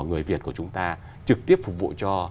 người việt của chúng ta trực tiếp phục vụ cho